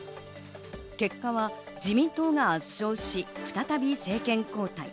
結果は自民党が圧勝し再び政権交代。